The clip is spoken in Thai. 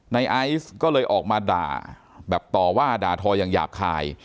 ไอซ์ก็เลยออกมาด่าแบบต่อว่าด่าทออย่างหยาบคาย